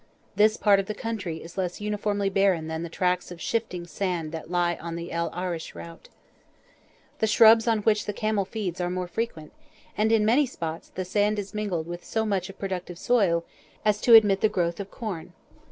This part of the country is less uniformly barren than the tracts of shifting sand that lie on the El Arish route. The shrubs on which the camel feeds are more frequent, and in many spots the sand is mingled with so much of productive soil, as to admit the growth of corn.